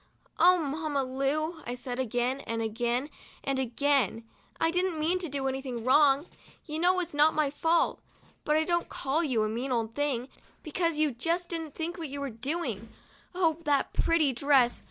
"Oh, Mamma Lu!' I said again and again and again, " I didn't mean to do any wrong. You know it's not my fault. But I don't call you a mean old thing, because you just didn't think what you were doing. Oh, that pretty dress!